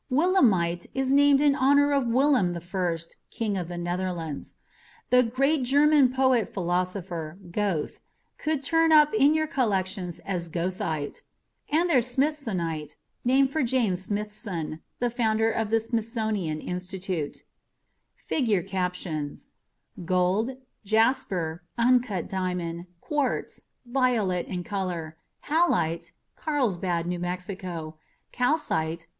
Willemite was named in honor of Willem I, King of the Netherlands. The great German poet philosopher, Goethe, could turn up in your collection as goethite. And there's smithsonite, named for James Smithson, founder of the Smithsonian Institution. [figure captions] Gold, jasper, uncut diamond, quartz (violet in color), halite (Carlsbad N.M.), calcite (S.